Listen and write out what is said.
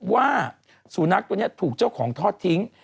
ว่าสูนักตัวนี้ถูกเจ้าของทอดทิ้ง